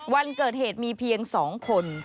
วันเกิดเหตุมีเพียง๒คน